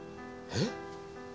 えっ？